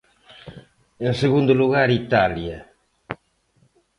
En segundo lugar, Italia.